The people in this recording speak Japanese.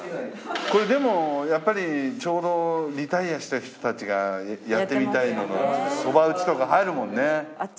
これでもやっぱりちょうどリタイアした人たちがやってみたいものにそば打ちとか入るもんね。